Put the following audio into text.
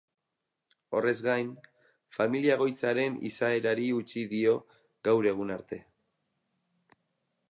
Horrez gain, familia-egoitzaren izaerari eutsi dio gaur egun arte.